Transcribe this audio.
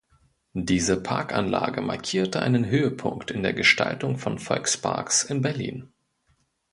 Diese Parkanlage markierte einen Höhepunkt in der Gestaltung von Volksparks in Berlin.